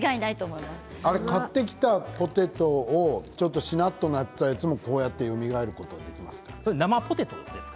買ってきたポテトちょっと、しなっとなったやつもこうやってよみがえることできますか？